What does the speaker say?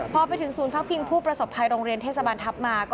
พอไปถึงศูนย์พักพิงผู้ประสบภัยโรงเรียนเทศบาลทัพมาก็